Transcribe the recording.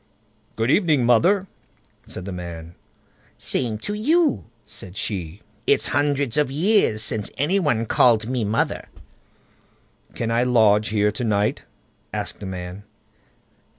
"Good evening, mother!" said the man. "The same to you", said she; "it's hundreds of years since any one called me mother." "Can I lodge here to night?" asked the man.